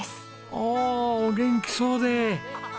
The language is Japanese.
ああお元気そうで。